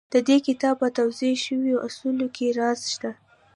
د دې کتاب په توضيح شويو اصولو کې راز شته.